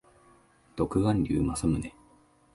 独眼竜政宗